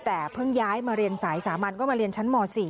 แต่เพิ่งย้ายมาเรียนสายสามัญก็มาเรียนชั้นม๔